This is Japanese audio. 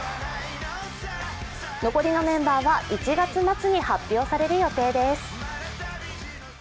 残りのメンバーは１月末に発表される予定です。